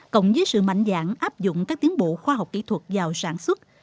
cộng với sự mạnh dạng áp dụng các tiến bộ khoa học kỹ thuật vào sản xuất